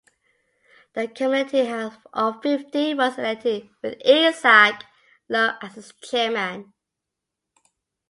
The Committee of Fifty was elected with Isaac Low as its chairman.